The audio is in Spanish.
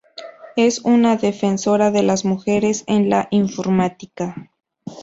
Es una defensora de las mujeres en la informática.